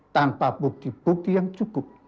tanpa bukti bukti yang cukup